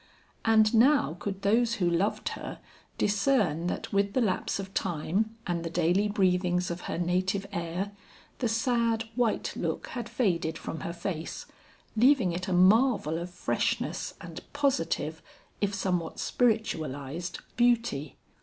And now could those who loved her, discern that with the lapse of time and the daily breathings of her native air, the sad white look had faded from her face, leaving it a marvel of freshness and positive, if somewhat spiritualized, beauty.